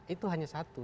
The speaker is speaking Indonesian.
itu hanya satu